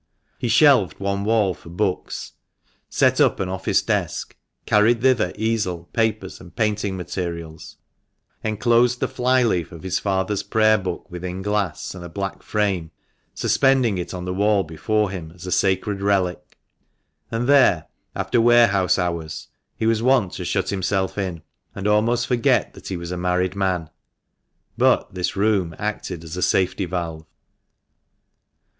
He shelved one wall for books, set up an office desk, carried thither easel, papers, and painting materials ; enclosed the fly leaf of his father's Prayer book within glass and a black frame, suspending it on the 422 THE MANCHESTER MAN. wall before him as a sacred relic, and there, after warehouse hours, he was wont to shut himself in, and almost forget that he was a married man. But this room acted as a safety valve.